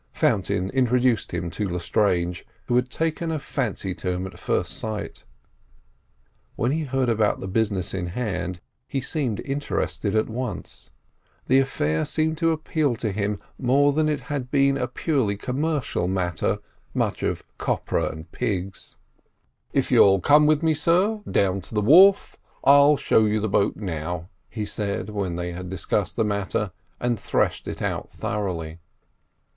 Fountain introduced him to Lestrange, who had taken a fancy to him at first sight. When he heard about the business in hand, he seemed interested at once; the affair seemed to appeal to him more than if it had been a purely commercial matter, such as copra and pigs. "If you'll come with me, sir, down to the wharf, I'll show you the boat now," he said, when they had discussed the matter and threshed it out thoroughly.